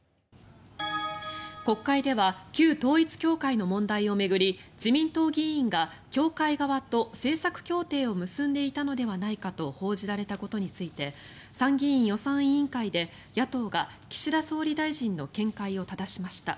国会では旧統一教会の問題を巡り自民党議員が教会側と政策協定を結んでいたのではないかと報じられたことについて参議院予算委員会で野党が岸田総理大臣の見解をただしました。